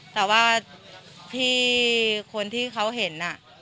แต่ว่าที่คนที่เขาเห็น